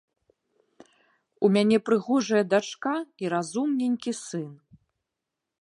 У мяне прыгожая дачка і разумненькі сын.